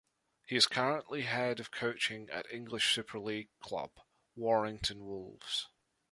He is currently Head of Coaching at English Super League club, Warrington Wolves.